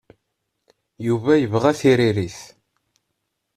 Yuba yebɣa tiririt.